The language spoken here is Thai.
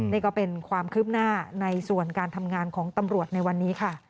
นี่ก็เป็นความคืบหน้าในส่วนการทำงานของตำรวจในวันนี้ค่ะ